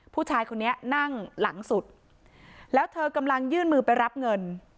ผู้ชายคนนี้นั่งหลังสุดแล้วเธอกำลังยื่นมือไปรับเงิน